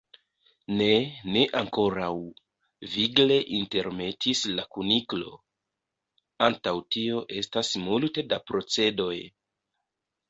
"Ne, ne ankoraŭ," vigle intermetis la Kuniklo. "Antaŭ tio estas multe da procedoj."